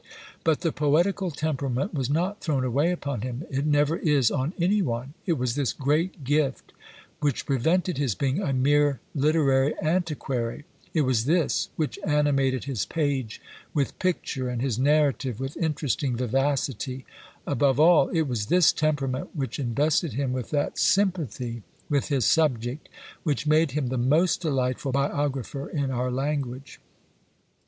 But the poetical temperament was not thrown away upon him; it never is on any one; it was this great gift which prevented his being a mere literary antiquary; it was this which animated his page with picture and his narrative with interesting vivacity; above all, it was this temperament, which invested him with that sympathy with his subject, which made him the most delightful biographer in our language.